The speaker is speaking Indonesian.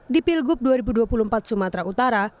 di pilgub dua ribu dua puluh empat sumatera utara